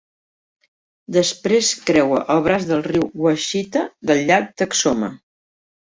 Després creua el braç del riu Washita del llac Texoma.